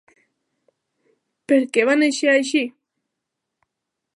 Per què va néixer així?